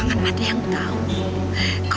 nanti sportnya udah kucing